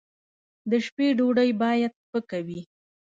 د شپې ډوډۍ باید سپکه وي